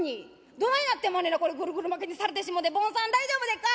どないなってまんねんなこれぐるぐる巻きにされてしもて坊さん大丈夫でっか？